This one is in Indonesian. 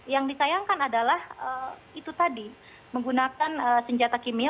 yang disayangkan adalah itu tadi menggunakan senjata kimia